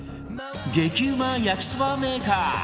激うま焼きそばメーカー